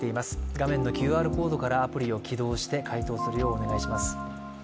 画面のＱＲコードからアプリを起動して、回答するようお願いします。